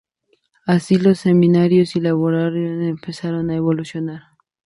Así, los seminarios y laboratorios empezaron a evolucionar.